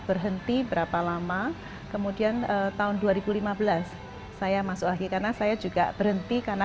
berhenti berapa lama kemudian tahun dua ribu lima belas saya masuk lagi karena saya juga berhenti karena